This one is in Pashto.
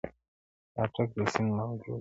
• د اټک د سیند موجوکي -